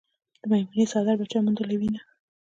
د میمونې څادر به چا موندلې وينه